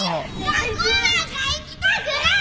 学校なんか行きたくない！